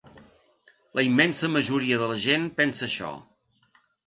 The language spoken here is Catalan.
La immensa majoria de la gent pensa això.